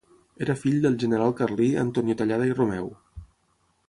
Era fill del general carlí Antonio Tallada i Romeu.